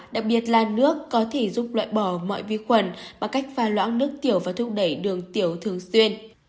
đặc biệt là nước có thể giúp loại bỏ mọi vi khuẩn bằng cách pha loãng nước tiểu và thúc đẩy đường tiểu thường xuyên